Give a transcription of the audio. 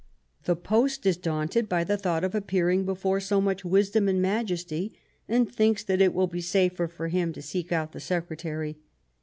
The post is daunted by the thought of appearing before so much wisdom and majesty, and thinks that it will be safer for him to seek out the secretary.